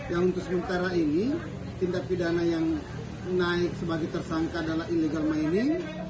yang untuk sementara ini tindak pidana yang naik sebagai tersangka adalah illegal mining